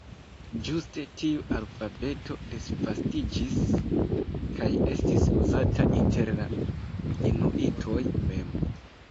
Ĝuste tiu alfabeto disvastiĝis kaj estis uzata inter la inuitoj mem.